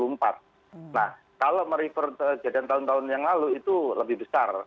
nah kalau merefer kejadian tahun tahun yang lalu itu lebih besar